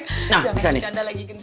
jangan bercanda lagi